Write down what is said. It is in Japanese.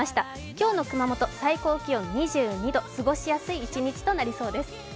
今日の熊本、最高気温２２度、過ごしやすい一日となりそうです。